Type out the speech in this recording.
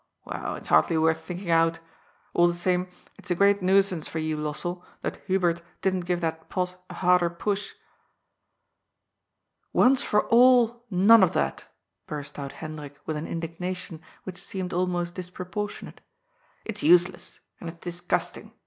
Well, it's hardly worth thinking out. All the same, it's a great nuisance for you, Lossell, that Hubert didn't give that pot a harder push.' " Once for all, none of that," burst out Hendrik with an indignation which seemed almost disproportionate. "It's useless. And it's disgusting.